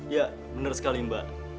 ya bener sekali mbak